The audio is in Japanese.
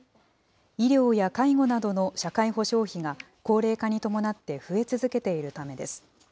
医療や介護などの社会保障費が、高齢化に伴って増え続けているためです。